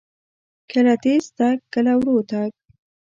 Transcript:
کله تیز تګ، کله ورو تګ.